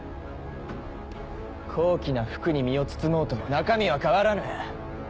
高貴な服に身を包もうと中身は変わらぬ。